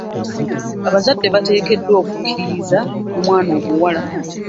Abazadde bateekeddwa okukkiririza mu mwana omuwala.